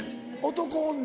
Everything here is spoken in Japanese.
男女？